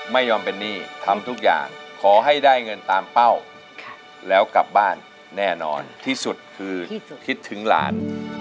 ไม่ยอมเป็นหนี้ทำทุกอย่างขอให้ได้เงินตามเป้าแล้วกลับบ้านแน่นอนที่สุดคือคิดถึงหลาน